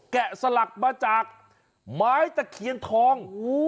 สลักมาจากไม้ตะเคียนทอง